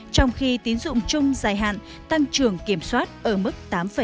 trong khi tín dụng chung dài hạn tăng trưởng kiểm soát ở mức tám ba